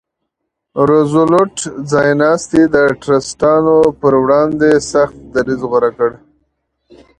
روزولټ ځایناستي د ټرستانو پر وړاندې سخت دریځ غوره کړ.